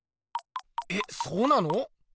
えっそうなの？